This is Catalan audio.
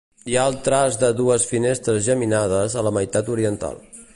Hi ha el traç de dues finestres geminades a la meitat oriental.